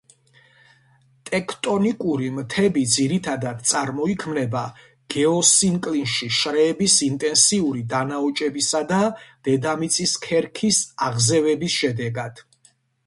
ტექტონიკური მთები ძირითადად წარმოიქმნება გეოსინკლინში შრეების ინტენსიური დანაოჭებისა და დედამიწის ქერქის აზევების შედეგად.